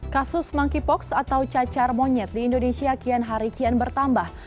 kasus monkeypox atau cacar monyet di indonesia kian hari kian bertambah